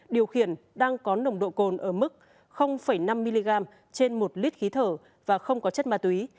điều khiển đang có nồng độ cồn ở mức năm mg trên một lít khí thở và không có chất ma túy